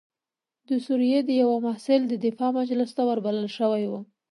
د سوریې د یوه محصل د دفاع مجلس ته وربلل شوی وم.